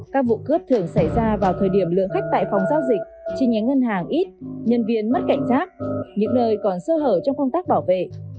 các vụ cướp thường xảy ra vào thời điểm lượng khách tại phòng giao dịch chi nhánh ngân hàng ít nhân viên mất cảnh giác những nơi còn sơ hở trong công tác bảo vệ